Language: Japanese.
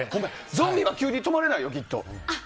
ゾンビは急に止まれないよきっと。